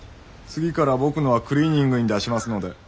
次から僕のはクリーニングに出しますので。